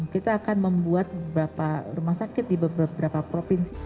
kita akan membuat beberapa rumah sakit di beberapa provinsi